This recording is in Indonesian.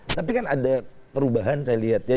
tapi kan ada perubahan saya lihat ya